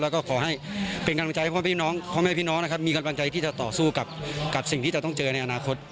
แล้วก็ขอให้เป็นกำลังใจให้พ่อพี่น้องพ่อแม่พี่น้องนะครับมีกำลังใจที่จะต่อสู้กับสิ่งที่จะต้องเจอในอนาคต